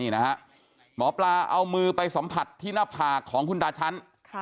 นี่นะฮะหมอปลาเอามือไปสัมผัสที่หน้าผากของคุณตาชั้น